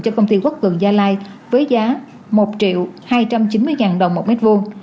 cho công ty quốc cường gia lai với giá một hai trăm chín mươi đồng một mét vuông